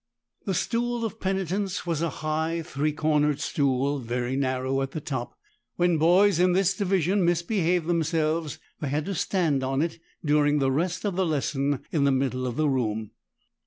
The stool of penitence was a high, three cornered stool, very narrow at the top. When boys in this division misbehaved themselves they had to stand on it during the rest of the lesson in the middle of the room.